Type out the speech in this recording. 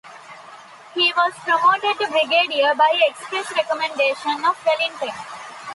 He was promoted to Brigadier by express recommendation of Wellington.